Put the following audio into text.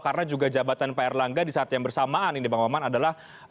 karena juga jabatan pak erlangga di saat yang bersamaan ini bang oman adalah